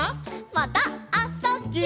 また「あ・そ・」。「ぎゅ」